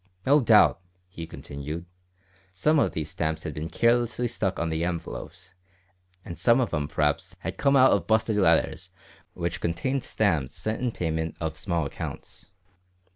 "No doubt," he continued, "some of these stamps had bin carelessly stuck on the envelopes, and some of 'em p'r'aps had come out of busted letters which contained stamps sent in payment of small accounts.